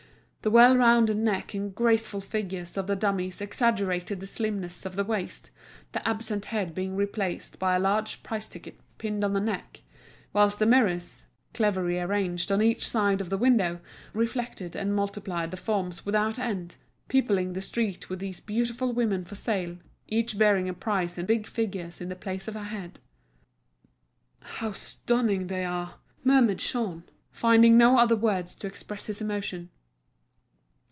The well rounded neck and graceful figures of the dummies exaggerated the slimness of the waist, the absent head being replaced by a large price ticket pinned on the neck; whilst the mirrors, cleverly arranged on each side of the window, reflected and multiplied the forms without end, peopling the street with these beautiful women for sale, each bearing a price in big figures in the place of a head. "How stunning they are!" murmured Jean, finding no other words to express his emotion.